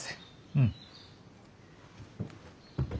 うん。